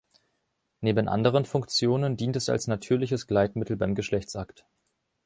Neben anderen Funktionen dient es als natürliches Gleitmittel beim Geschlechtsakt.